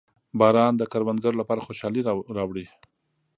• باران د کروندګرو لپاره خوشحالي راوړي.